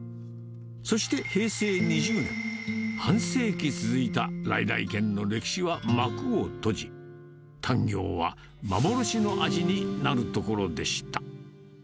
そして、平成２０年、半世紀続いた來々軒の歴史は幕を閉じ、タンギョーは幻の味になるところでした。